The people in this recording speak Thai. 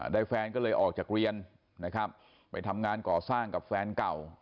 แฟนก็เลยออกจากเรียนนะครับไปทำงานก่อสร้างกับแฟนเก่า